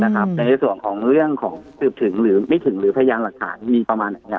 ในส่วนของเรื่องของสืบถึงหรือไม่ถึงหรือพยานหลักฐานมีประมาณไหน